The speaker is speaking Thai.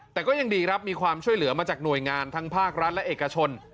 แต่ก็ยังดีครับมีความช่วยเหลือมาจากหน่วยงานทั้งภาครัฐและเอกชน